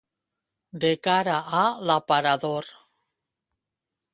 De cara a l'aparador.